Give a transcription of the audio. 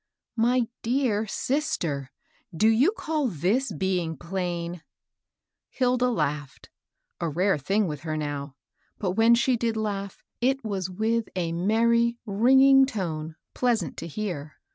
" My dear sister 1 do you call this being plain ?" Hilda laughed, — a rare thing with her now, — but when she did laugh, it was with a merry, ring ing tone pleasant to hear.